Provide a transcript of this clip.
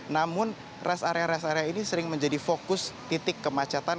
namun rest area rest area ini sering menjadi fokus titik kemacetan